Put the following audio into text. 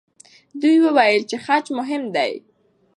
دوی وویل چې خج مهم دی.